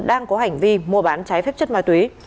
đang có hành vi mua bán trái phép chất ma túy